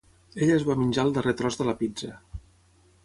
Ella es va menjar el darrer tros de la pizza